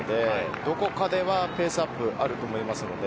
どこかでペースアップがあると思います。